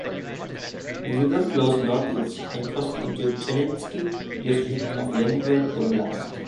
The river flows northeast and crosses into Tosnensky District of Leningrad Oblast.